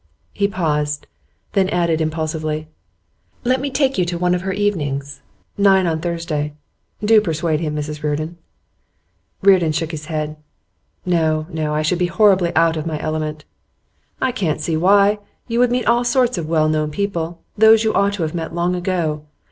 He paused, then added impulsively: 'Let me take you to one of her evenings nine on Thursday. Do persuade him, Mrs Reardon?' Reardon shook his head. 'No, no. I should be horribly out of my element.' 'I can't see why. You would meet all sorts of well known people; those you ought to have met long ago.